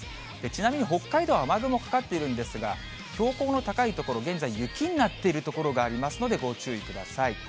ちなみに北海道は雨雲かかっているんですが、標高の高い所、現在、雪になっている所がありますので、ご注意ください。